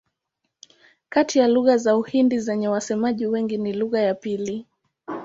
Kati ya lugha za Uhindi zenye wasemaji wengi ni lugha ya pili.